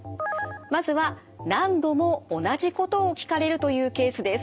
まずは何度も同じことを聞かれるというケースです。